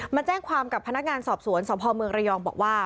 มาแจ้งความกับพนักงานสอบสวนสพเมืองระยองบอกว่า